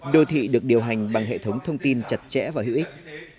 đô thị được điều hành bằng hệ thống thông tin chặt chẽ và hữu ích